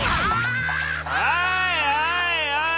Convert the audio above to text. おいおいおい！